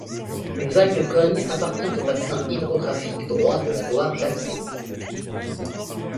Le val de Cogne appartient au bassin hydrographique droit de la Doire Baltée.